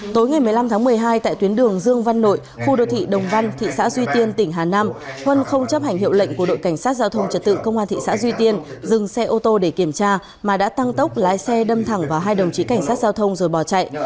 tối ngày một mươi năm tháng một mươi hai tại tuyến đường dương văn nội khu đô thị đồng văn thị xã duy tiên tỉnh hà nam huân không chấp hành hiệu lệnh của đội cảnh sát giao thông trật tự công an thị xã duy tiên dừng xe ô tô để kiểm tra mà đã tăng tốc lái xe đâm thẳng vào hai đồng chí cảnh sát giao thông rồi bỏ chạy